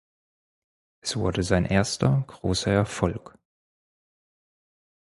Es wurde sein erster großer Erfolg.